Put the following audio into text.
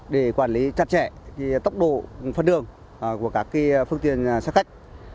để quản lý chặt chẽ tốc độ phần đường của các phương tiện xác khách